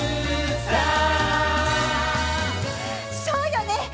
そうよね！